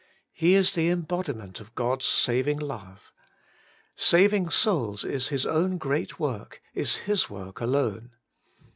He is the em bodiment of God's saving love. Saving souls is His own great work, is His work alone.